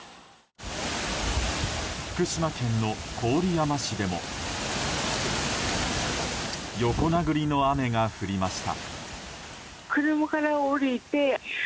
福島県の郡山市でも横殴りの雨が降りました。